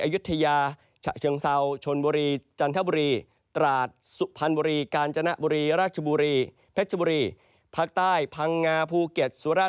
อายุไทยชะเคืองเศราชนบุรีจันทบุรีตราชสุพันธ์บุรีการจะหน้าบุรีราชบุรีเผชบุรีพรรคใต้ภังงาภูเก็ตสวรรค์ธานี